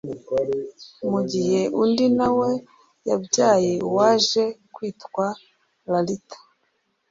mu gihe undi nawe yabyaye uwaje kwitwa Lalita